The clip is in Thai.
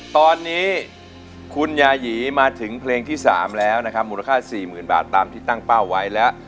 ตอนนี้คุณยายีมาถึงเพลงที่๓แล้วนะครับมูลค่า๔๐๐๐บาทตามที่ตั้งเป้าไว้แล้ว